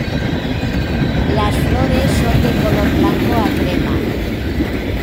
La flores son de color blanco a crema.